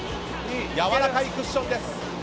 やわらかいクッションです。